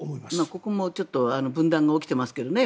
ここも今ちょっと分断が起きていますけどね。